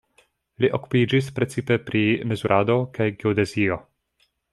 Li okupiĝis precipe pri mezurado kaj geodezio.